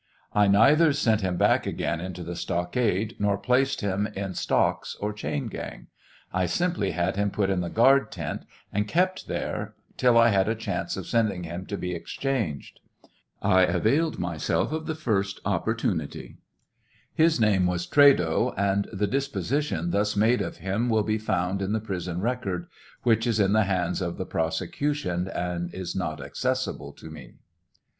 I neither sent him back again into the stockade nor placed him in stocks or chain gang; 1 simply had him put in the guard tent and kept there till I had a chance of sending him to be exchanged. I availed myself of the first opportunity. His name was Trado, and the disposition thus made of him will be found in the prison record, which is in the hands of the prosecution and is hot accessible to me.